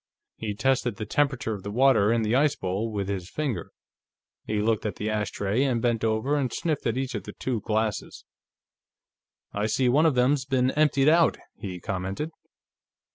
He tested the temperature of the water in the ice bowl with his finger. He looked at the ashtray, and bent over and sniffed at each of the two glasses. "I see one of them's been emptied out," he commented.